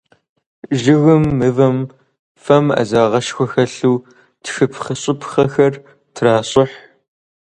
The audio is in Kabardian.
Жыгым, мывэм, фэм Ӏэзагъэшхуэ хэлъу тхыпхъэщӀыпхъэхэр тращӀыхь.